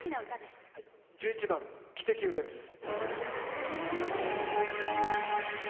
１１番「汽笛」を歌います。